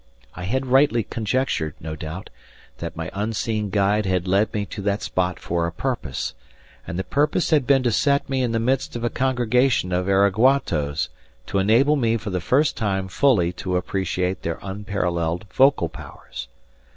I had rightly conjectured, no doubt, that my unseen guide had led me to that spot for a purpose; and the purpose had been to set me in the midst of a congregation of araguatos to enable me for the first time fully to appreciate their unparalleled vocal powers.